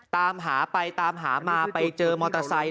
ตามหาไปตามหามาไปเจอมอเตอร์ไซค